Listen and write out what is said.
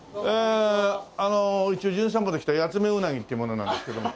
あの『じゅん散歩』で来たヤツメウナギっていう者なんですけども。